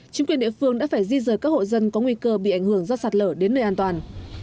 chính quyền địa phương đã phải di rời các hộ dân có nguy cơ bị ảnh hưởng do sạt lở đến nơi an toàn